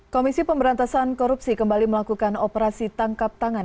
komisi pemberantasan korupsi kembali melakukan operasi tangkap tangan